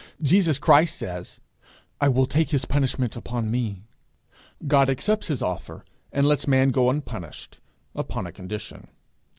Jesus Christ says, 'I will take his punishment upon me.' God accepts his offer, and lets man go unpunished upon a condition.